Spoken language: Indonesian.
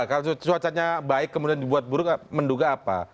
kalau cuacanya baik kemudian dibuat buruk menduga apa